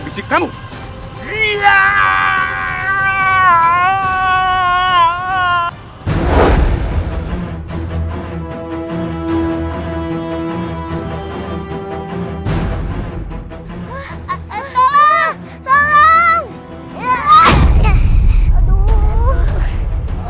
jin itu berubah menjadi raksasa